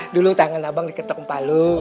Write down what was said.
dulu tangan abang diketok palu